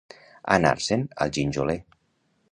Anar-se'n al ginjoler.